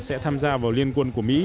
sẽ tham gia vào liên quân của mỹ